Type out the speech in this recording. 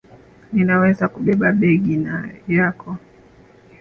Ninaweza kubeba begi yako